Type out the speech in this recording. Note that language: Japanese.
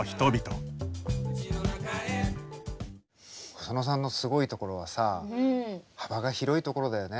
細野さんのすごいところはさ幅が広いところだよね。